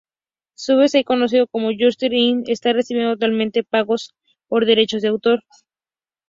Stevens, hoy conocido como Yusuf Islam, está recibiendo actualmente pagos por derechos de autor.